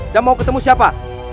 dan mau ketemu siapa